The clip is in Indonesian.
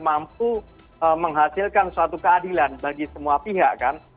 mampu menghasilkan suatu keadilan bagi semua pihak kan